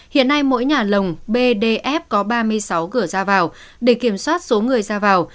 hiện nay mỗi nhà lồng bdf có ba mươi sáu cửa ra vào để kiểm soát số người ra vào